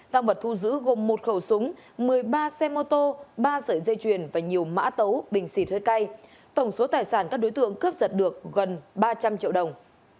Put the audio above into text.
tăng vật thu giữ gồm một khẩu súng một mươi ba xe mô tô ba sợi dây chuyền và nhiều mã tấu bình xịt hơi cay tổng số tài sản các đối tượng cướp giật được gần ba trăm linh triệu đồng